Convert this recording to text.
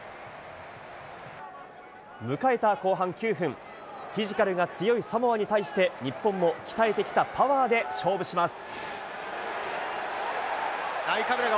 迎えた後半９分、フィジカルが強いサモアに対して、日本も鍛えてきたパワーで勝負します。